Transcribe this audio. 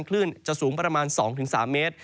คลื่นจะสูงประมาณ๒๓เมตร